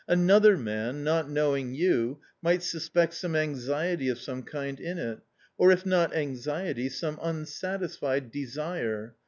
"Another man, not knowing you, might suspect some anxiety of some kind in it .... or if not anxiety, some unsatisfied desire